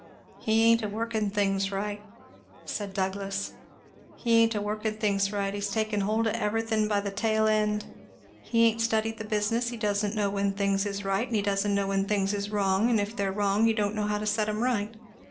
"He ain't a workin' things right," said Douglass, "he ain't a workin' things right; he's takin' hold o' everything by the tail end. He ain't studied the business; he doesn't know when things is right, and he doesn't know when things is wrong; and if they're wrong he don't know how to set 'em right.